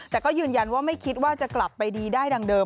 แต่ก็ยืนยันว่าไม่คิดว่าจะกลับไปดีได้ดังเดิม